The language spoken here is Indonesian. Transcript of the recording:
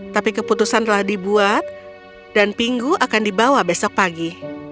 tapi keputusan telah dibuat dan pingu akan dibawa besok pagi